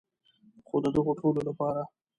خو د دغو ټولو لپاره.